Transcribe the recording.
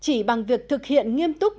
chỉ bằng việc thực hiện nghiêm túc